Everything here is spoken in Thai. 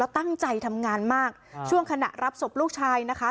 ตั้งใจทำงานมากช่วงขณะรับศพลูกชายนะคะ